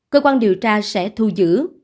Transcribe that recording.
cơ quan điều tra sẽ thu giữ